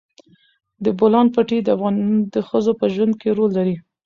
د بولان پټي د افغان ښځو په ژوند کې رول لري.